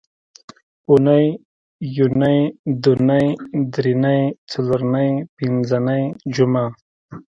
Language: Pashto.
اونۍ، یونۍ، دونۍ، درېنۍ، څلورنۍ، پینځنۍ، جمعه